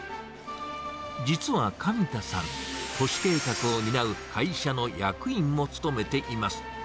実は紙田さん、都市計画を担う会社の役員も務めています。